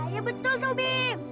ya betul tuh bim